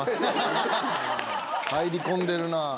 入り込んでるなぁ。